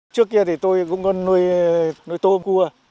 trước kia thì tôi cũng có nuôi tôm cua